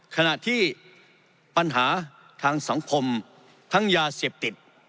ขณะที่ปัญหาทางสังคมทั้งยาเสพติด